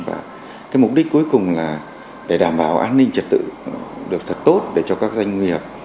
và cái mục đích cuối cùng là để đảm bảo an ninh trật tự được thật tốt để cho các doanh nghiệp